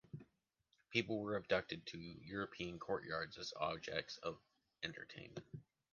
People were abducted to European courtyards as objects of entertainment.